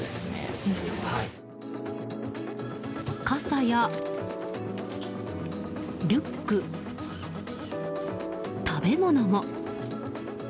傘やリュック、食べ物も。